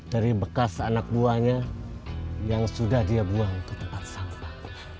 dari bekas anak buahnya yang sudah dia buang ke tempat sampah